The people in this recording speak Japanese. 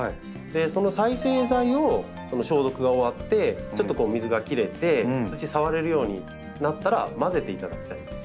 その再生材をこの消毒が終わってちょっと水が切れて土触れるようになったら混ぜていただきたいんですよ。